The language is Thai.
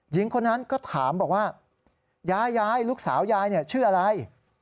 หญิงคนนั้นก็ถามบอกว่ายายยายลูกสาวยายชื่ออะไร